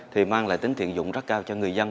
thì mang lại tính tiện dụng rất cao cho người dân